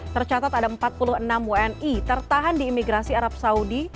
tercatat ada empat puluh enam wni tertahan di imigrasi arab saudi